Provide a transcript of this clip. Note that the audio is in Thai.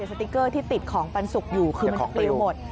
สติ๊กเกอร์ที่ติดของปันสุกอยู่คือมันจะปลิวหมด